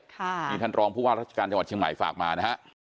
ที่ท่านรองผู้ว่าราชการจังหวัดเชียงใหม่ฝากมานะฮะ